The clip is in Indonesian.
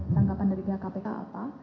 tanggapan dari pihak kpk apa